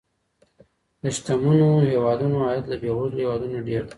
د شتمنو هیوادونو عاید له بېوزلو هیوادونو ډیر دی.